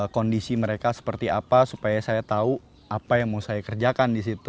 kondisi mereka seperti apa supaya saya tahu apa yang mau saya kerjakan di situ